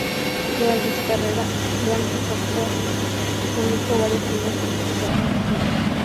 Durante su carrera, Blanca Cotta publicó varios libros de cocina.